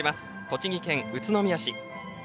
栃木県宇都宮市。